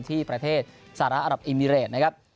ที่ประเทศสหรัฐอรับอิมิเรตนะครับ